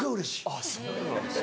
あっそうなんですか。